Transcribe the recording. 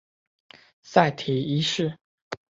塞提一世。